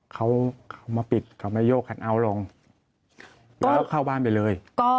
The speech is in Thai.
เขามาปิดเขามาโยกคัทเอาท์ลงแล้วก็เข้าบ้านไปเลย